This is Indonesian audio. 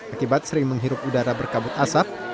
akibat sering menghirup udara berkabut asap